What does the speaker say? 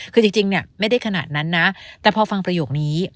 คือจริงเนี่ยไม่ได้ขนาดนั้นนะแต่พอฟังประโยคนี้